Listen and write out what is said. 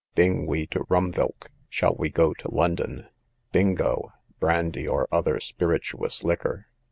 Bing we to Rumvilck; shall we go to London. Bingo, brandy, or other spirituous liquor.